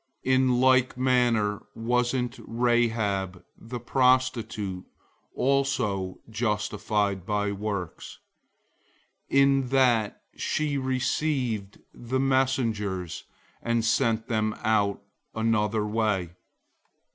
002:025 In like manner wasn't Rahab the prostitute also justified by works, in that she received the messengers, and sent them out another way?